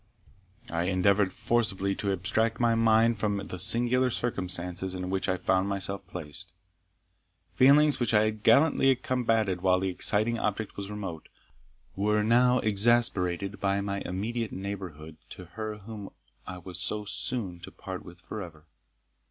I endeavoured forcibly to abstract my mind from the singular circumstances in which I found myself placed. Feelings which I had gallantly combated while the exciting object was remote, were now exasperated by my immediate neighbourhood to her whom I was so soon to part with for ever.